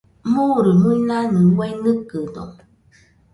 Murui-muinanɨ uai nɨkɨdo.